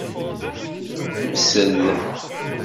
Msed.